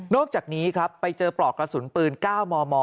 อกจากนี้ครับไปเจอปลอกกระสุนปืน๙มม